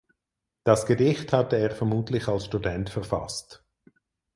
Das Gedicht hatte er vermutlich als Student verfasst.